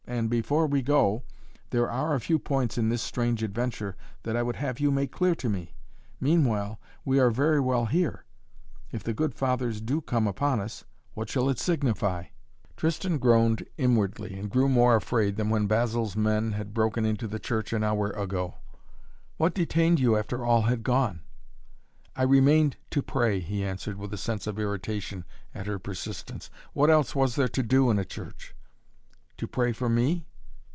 "And, before we go, there are a few points in this strange adventure that I would have you make clear to me! Meanwhile we are very well here! If the good fathers do come upon us, what shall it signify?" Tristan groaned inwardly and grew more afraid than when Basil's men had broken into the church an hour ago. "What detained you after all had gone?" "I remained to pray," he answered, with a sense of irritation at her persistence. "What else was there to do in a church?" "To pray for me?"